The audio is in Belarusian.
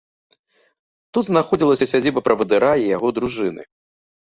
Тут знаходзілася сядзіба правадыра і яго дружыны.